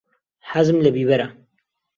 حەزم لە بیبەرە.